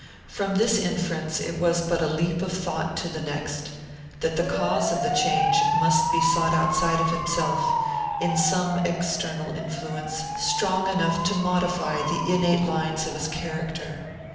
From this inference it was but a leap of thought to the next that the cause of the change must be sought outside of himself, in some external influence strong enough to modify the innate lines of his character.